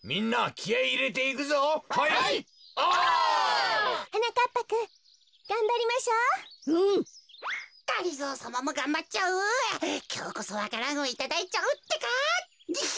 きょうこそわか蘭をいただいちゃうってか。ニヒ。